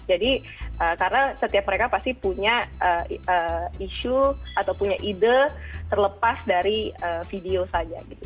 jadi karena setiap mereka pasti punya isu atau punya ide terlepas dari video saja gitu